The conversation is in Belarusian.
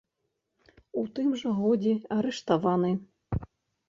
У тым жа годзе арыштаваны.